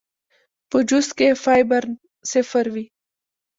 پۀ جوس کښې فائبر صفر وي